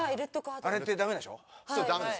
あれって、だめでしょ？